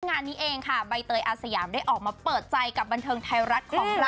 งานนี้เองค่ะใบเตยอาสยามได้ออกมาเปิดใจกับบันเทิงไทยรัฐของเรา